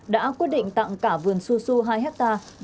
đã quyết định tặng cả vườn su su hai hectare